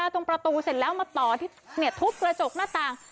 ตรงประตูเสร็จแล้วมาต่อที่ทุบกระจกหน้าต่าง